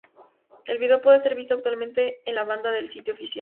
El vídeo puede ser visto actualmente en la banda del sitio oficial.